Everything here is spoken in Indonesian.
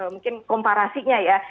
mungkin komparasinya ya